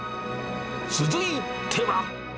続いては。